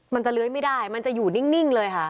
มันจะเลื้อยไม่ได้มันจะอยู่นิ่งเลยค่ะ